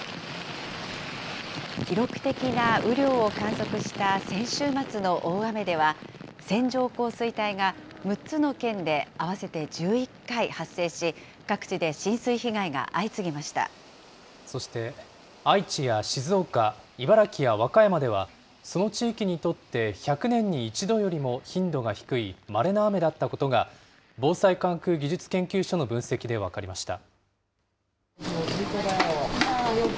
記録的な雨量を観測した先週末の大雨では、線状降水帯が６つの県で合わせて１１回発生し、そして、愛知や静岡、茨城や和歌山では、その地域にとって１００年に１度よりも頻度が低いまれな雨だったことが、防災科学技術研究所の分析で分かりました。